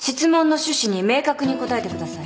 明確に答えてください。